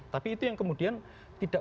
tapi itu yang kemudian tidak